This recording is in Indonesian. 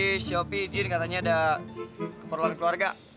pak tadi si opi izin katanya ada keperluan keluarga